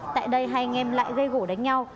tại đây hai anh em lại gây gỗ đánh nhau